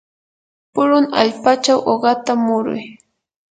purun allpachaw uqata muruy.